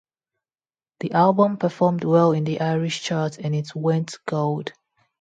The album performed well in the Irish charts and it went gold.